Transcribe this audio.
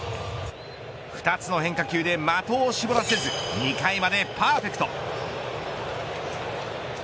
２つの変化球で的を絞らせず２回までパーフェクト。